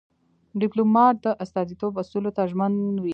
ډيپلومات د استازیتوب اصولو ته ژمن وي.